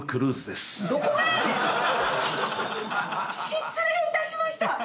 失礼いたしました！